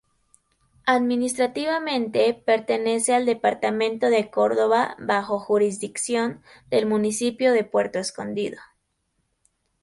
Administrativamente pertenece al departamento de Córdoba, bajo jurisdicción del municipio de Puerto Escondido.